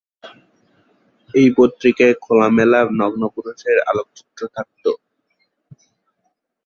এই পত্রিকায় খোলামেলা নগ্ন পুরুষের আলোকচিত্র থাকত।